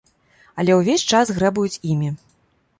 Але ўвесь час грэбуюць імі.